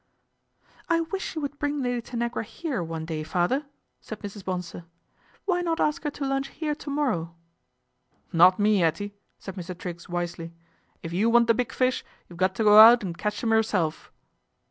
" I wish you would bring Lady Tanagra here one day, father," said Mrs. Bonsor. ' Why not ask her to lunch here to morrow ?"" Not me, 'Ettie," said Mr. Triggs wisely. " If you want the big fish, you've got to go out and catch 'em yourself."